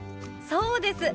そうです。